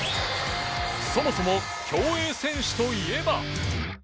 そもそも競泳選手といえば。